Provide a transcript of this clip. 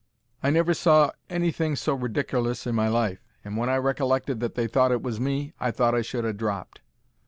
I never saw anything so ridikerlous in my life, and when I recollected that they thought it was me, I thought I should ha' dropped.